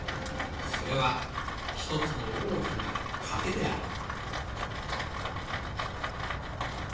それは一つの大きな賭けであった。